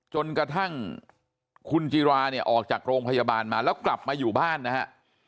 จนกระทั่งคุณจิราเนี่ยออกจากโรงพยาบาลมาแล้วกลับมาอยู่บ้านนะฮะ